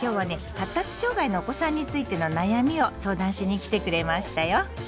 発達障害のお子さんについての悩みを相談しに来てくれましたよ。